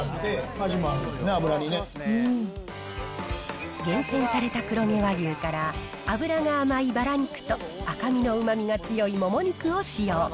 味もあるね、厳選された黒毛和牛から、脂の甘いバラ肉と赤身のうまみが強いモモ肉を使用。